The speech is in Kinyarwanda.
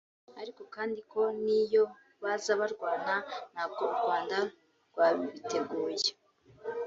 ariko kandi ko n’iyo baza barwana nabwo u Rwanda rwabiteguye